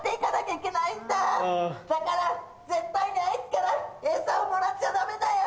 だから絶対にあいつから餌をもらっちゃダメだよ！